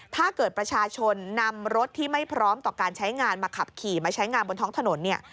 ถ้าเกิดประชาชนนำรถที่ไม่พร้อมต่อการใช้งานมาขับขี่มาใช้งานบนท้องถนนเนี่ย